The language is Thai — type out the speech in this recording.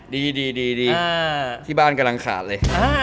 ดีที่บ้านกำลังขาดเลย